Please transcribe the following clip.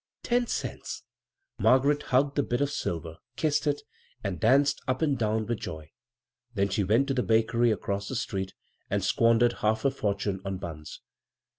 Ten cents I Margaret hugged the bit of silver, kissed it, and danced up and down with joy ; then she went to the bakery across the street and squandered half her fortune on buns.